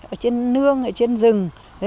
ở trên nương ở trên rừng